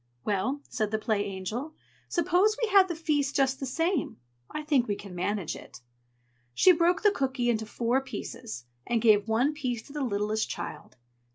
"Well," said the Play Angel, "suppose we have the feast just the same! I think we can manage it." She broke the cooky into four pieces, and gave one piece to the littlest child.